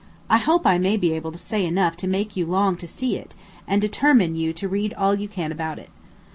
I hope I may be able to say enough to make you long to see it, and determine you to read all you can about it.